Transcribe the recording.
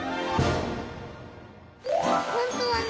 ほんとはね